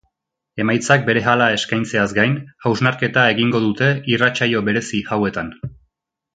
Emaitzak berehala eskaintzeaz gain, hausnarketa egingo dute irratsaio berezi hauetan.